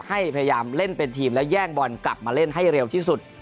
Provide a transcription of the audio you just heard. พยายามเล่นเป็นทีมและแย่งบอลกลับมาเล่นให้เร็วที่สุด